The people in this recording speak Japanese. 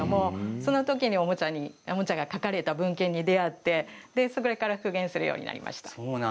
そのときに、おもちゃが描かれた文献に出会ってそこから復元をするようになりました。